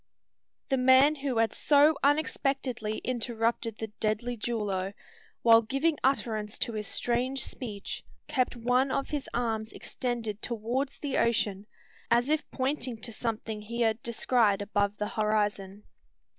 The man who had so unexpectedly interrupted the deadly duello, while giving utterance to his strange speech, kept one of his arms extended towards the ocean, as if pointing to something he had descried above the horizon.